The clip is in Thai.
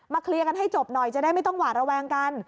เคลียร์กันให้จบหน่อยจะได้ไม่ต้องหวาดระแวงกัน